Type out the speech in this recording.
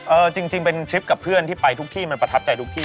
เออจริงเป็นทริปกับเพื่อนที่ไปทุกที่มันประทับใจทุกที่